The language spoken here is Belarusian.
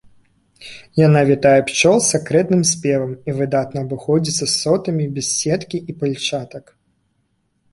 Яна вітае пчол сакрэтным спевам і выдатна абыходзіцца з сотамі без сеткі і пальчатак.